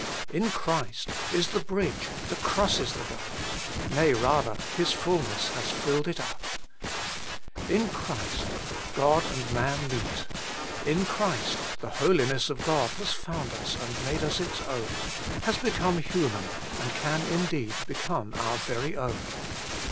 IN CHRIST ! is the bridge that crosses the gulf ; nay rather, His fulness has filled it up. IN CHRIST ! God and man meet ; IN CHRIST ! the Holiness of God has found us, and made us its own ; has become human, and can indeed become our very own.